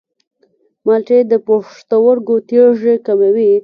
مالټې د پښتورګو تیږې کموي.